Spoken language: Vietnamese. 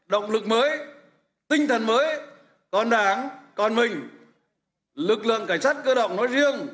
động lực mới tinh thần mới con đảng con mình lực lượng cảnh sát cơ động nói riêng